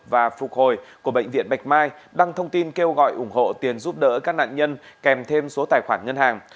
và phục hồi của bệnh viện bạch mai đăng thông tin kêu gọi ủng hộ tiền giúp đỡ các nạn nhân kèm thêm số tài khoản ngân hàng